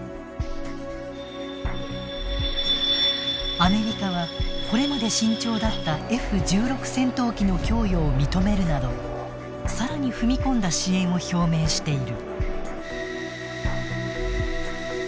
アメリカはこれまで慎重だったＦ１６戦闘機の供与を認めるなどさらに踏み込んだ支援を表明している。